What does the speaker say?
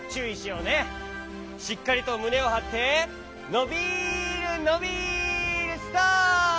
しっかりとむねをはってのびるのびるストップ！